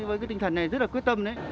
với cái tinh thần này rất là quyết tâm